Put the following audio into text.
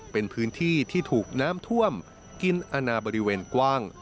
เป็นพื้นที่ที่ถูกน้ำท่วมกินอนาบริเวณกว้าง